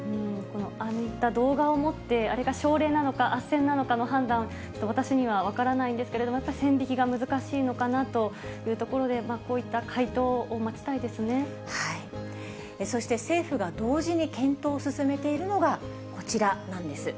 ああいった動画をもって、あれが奨励なのか、あっせんなのかの判断、私には分からないんですけれども、やっぱり線引きが難しいのかなというところで、こういった回答をそして政府が同時に検討を進めているのがこちらなんです。